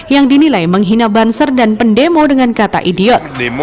yang dinilai menghina banser dan pendemo dengan kata idiot